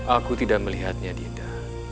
aku tidak melihatnya dina